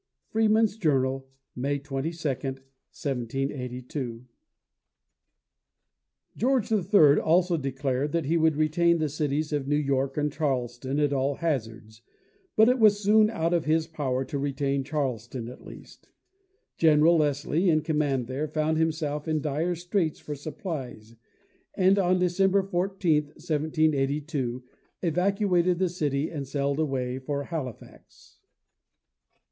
Freeman's Journal, May 22, 1782. George III also declared that he would retain the cities of New York and Charleston at all hazards, but it was soon out of his power to retain Charleston, at least. General Leslie, in command there, found himself in dire straits for supplies, and on December 14, 1782, evacuated the city and sailed away for Halifax.